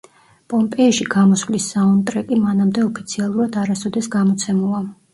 პომპეიში გამოსვლის საუნდტრეკი მანამდე ოფიციალურად არასოდეს გამოცემულა.